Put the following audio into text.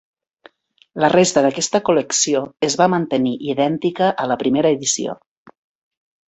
La resta d'aquesta col·lecció es va mantenir idèntica a la primera edició.